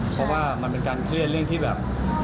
เพราะว่ามันเป็นการเครียดเรื่องที่แบบ